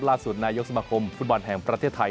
ล่าสุดนายกสมาคมฟุตบอลแห่งประเทศไทย